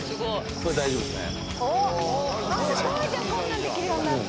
これ大丈夫ですね。